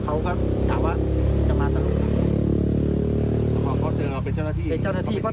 เพื่อแก้แค้นกัก